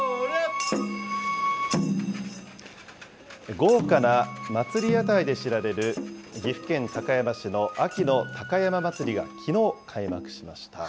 豪華な祭屋台で知られる岐阜県高山市の秋の高山祭がきのう開幕しました。